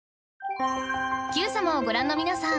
『Ｑさま！！』をご覧の皆さん